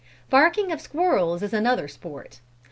Barking of Squirrels is another sport.